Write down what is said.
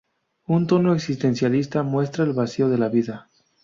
Un tono existencialista muestra el vacío de la vida.